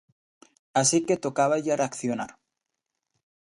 Así que tocáballe reaccionar.